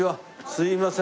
すいません。